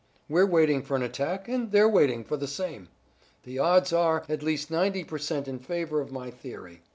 We're waiting for an attack, and they're waiting for the same. The odds are at least ninety per cent in favor of my theory.